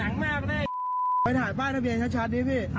อันนี้ถือมีด